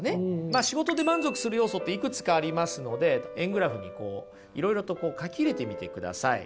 まあ仕事で満足する要素っていくつかありますので円グラフにいろいろと書き入れてみてください。